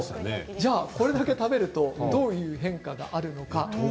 これだけ食べるとどういう変化にあるのか。